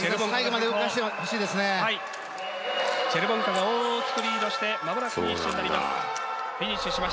チェルボンカが大きくリードして間もなくフィニッシュになります。